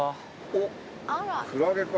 おっクラゲか。